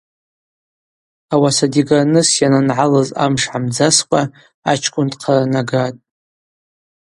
Ауаса дигарныс йанангӏалыз амш гӏамдзаскӏва ачкӏвын дхъаранагатӏ.